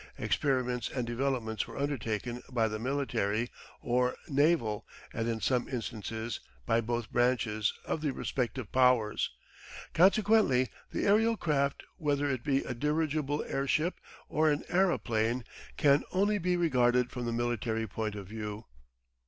Experiments and developments were undertaken by the military or naval, and in some instances by both branches, of the respective Powers. Consequently the aerial craft, whether it be a dirigible airship, or an aeroplane, can only be regarded from the military point of view.